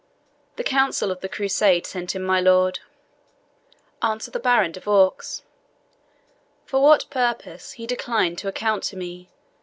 "The Council of the Crusade sent him, my lord," answered the Baron de Vaux; "for what purpose, he declined to account to me.